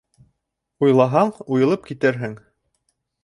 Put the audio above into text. Уйлаһаң, уйылып китерһең.